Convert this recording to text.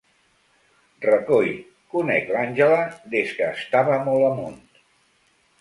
Recoi, conec l'Àngela des que estava molt amunt.